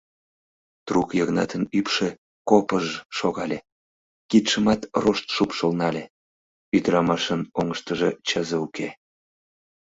Трук Йыгнатын ӱпшӧ копыж-ж шогале, кидшымат рошт шупшыл нале: ӱдырамашын оҥыштыжо чызе уке!